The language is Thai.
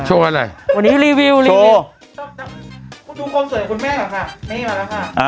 โชว์อะไรวันนี้รีวิวโชว์ดูคอมเซอร์ของคุณแม่ล่ะค่ะนี่มาแล้วค่ะ